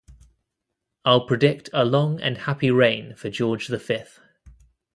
I'll predict a long and happy reign for George the Fifth.